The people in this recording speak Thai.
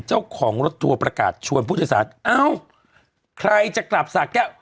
เจ้าของรถทัวร์ประกาศชวนผู้โจรสาธิตเอ้าใครจะกลับศักดิ์เนี้ย